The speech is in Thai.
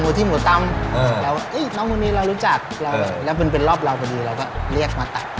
ก็มูนีเรารู้จักและเป็นรอบเราก็เรียกมาตัด